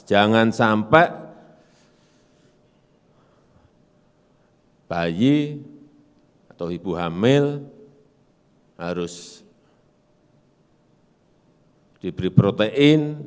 jangan sampai bayi atau ibu hamil harus diberi protein